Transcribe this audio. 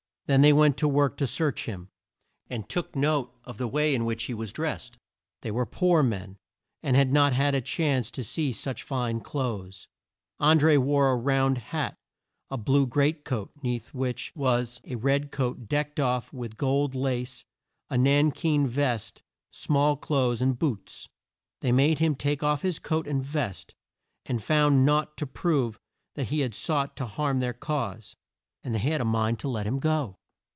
They then went to work to search him, and took note of the way in which he was drest. They were poor men, and had not had a chance to see such fine clothes. An dré wore a round hat, a blue great coat, 'neath which was a red coat decked off with gold lace, a nan keen vest, small clothes and boots. They made him take off his coat and vest, and found naught to prove that he had sought to harm their cause, and they had a mind to let him go.